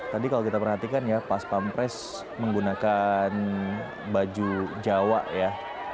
tadi kalau kita perhatikan ya pas pampres menggunakan baju jawa ya